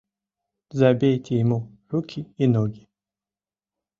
Забейте ему руки и ноги!